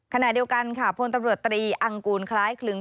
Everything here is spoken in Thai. ขณะเดียวกันค่ะพลตำรวจตรีอังกูลคล้ายคลึง